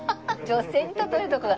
女性に例えるところが。